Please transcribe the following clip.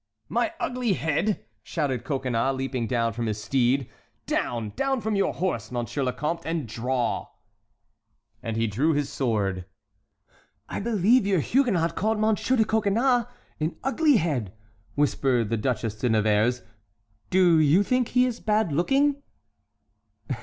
"My ugly head!" shouted Coconnas, leaping down from his steed. "Down—down from your horse, M. le Comte, and draw!" And he drew his sword. "I believe your Huguenot called Monsieur de Coconnas an 'ugly head,'" whispered the Duchesse de Nevers. "Do you think he is bad looking?"